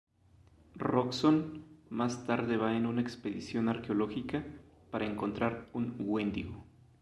Roxxon más tarde va en una expedición arqueológica para encontrar un Wendigo.